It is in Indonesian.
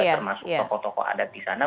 termasuk tokoh tokoh adat di sana